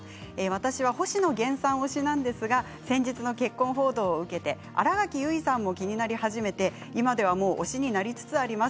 私は星野源さん推しなんですが先日の結婚報道を受けて新垣結衣さんも気になり始めて今では推しになりつつあります。